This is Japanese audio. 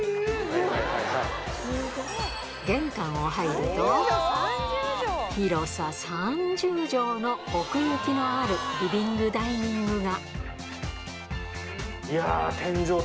玄関を入ると広さ３０畳の奥行きのあるリビングダイニングが